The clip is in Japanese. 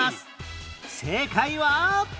正解は